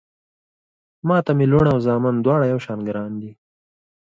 ما ته مې لوڼه او زامن دواړه يو شان ګران دي